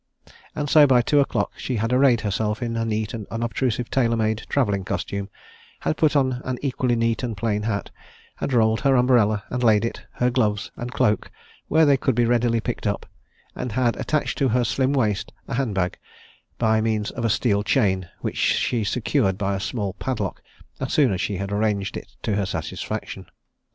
And so by two o'clock she had arrayed herself in a neat and unobtrusive tailor made travelling costume, had put on an equally neat and plain hat, had rolled her umbrella, and laid it, her gloves, and a cloak where they could be readily picked up, and had attached to her slim waist a hand bag by means of a steel chain which she secured by a small padlock as soon as she had arranged it to her satisfaction.